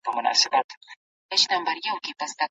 که لیک اصلاح نه سي، ګډوډي راځي.